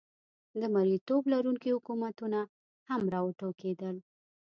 د مریتوب لرونکي حکومتونه هم را وټوکېدل.